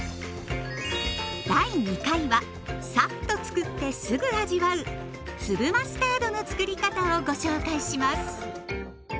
第２回はさっとつくってすぐ味わう粒マスタードのつくり方をご紹介します。